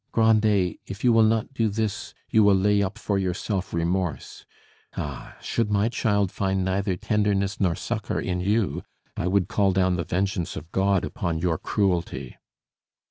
Grandet! if you will not do this, you will lay up for yourself remorse. Ah, should my child find neither tenderness nor succor in you, I would call down the vengeance of God upon your cruelty!